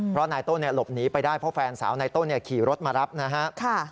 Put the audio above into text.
เพราะนายต้นหลบหนีไปได้เพราะแฟนสาวนายต้นขี่รถมารับนะครับ